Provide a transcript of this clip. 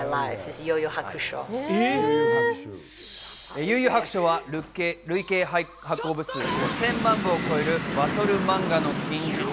『幽☆遊☆白書』は累計発行部数５０００万部を超えるバトル漫画の金字塔。